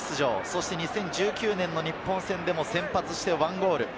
そして２０１９年の日本戦でも先発して１ゴール。